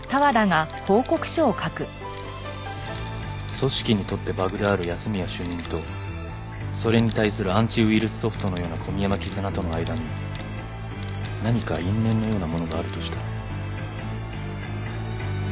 「組織にとってバグである安洛主任とそれに対するアンチウイルスソフトのような古宮山絆との間に何か因縁のようなものがあるとしたら」